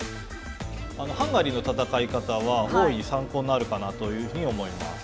ハンガリーの戦い方は大いに参考になるかなというふうに思います。